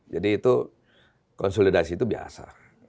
jadi itu konsolidasi itu biasa